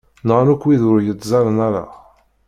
Nɣan akk wid ur yettẓallan ara.